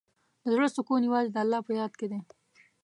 د زړۀ سکون یوازې د الله په یاد کې دی.